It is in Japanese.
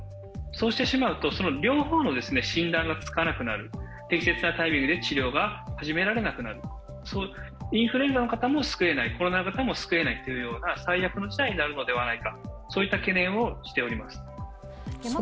そうするとその両方の診断がつかなくなる、適切な対応で治療が始められなくなる、インフルエンザの方も救えないコロナの方も救えないという最悪な事態になるのではないかという懸念をしています。